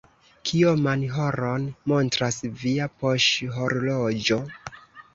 Kioman horon montras via poŝhorloĝo?